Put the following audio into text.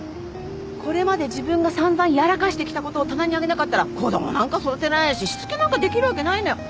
これまで自分が散々やらかしてきたことを棚に上げなかったら子供なんか育てられないししつけなんかできるわけないのよ。